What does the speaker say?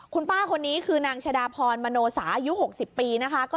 คุณป้าคนนี้คือนางชะดาพรมโนสาอายุ๖๐ปีนะคะ